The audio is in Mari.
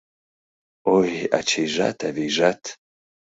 Ой, ачийжат-авийжат!